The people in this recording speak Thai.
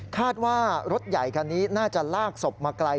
คาดว่ารถใหญ่คันนี้น่าจะลากศพมาไกล